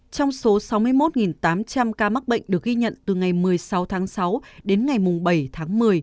trong số sáu mươi một tám trăm linh ca mắc bệnh được ghi nhận từ ngày một mươi sáu tháng sáu đến ngày bảy tháng một mươi